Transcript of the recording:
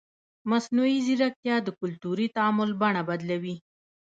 مصنوعي ځیرکتیا د کلتوري تعامل بڼه بدلوي.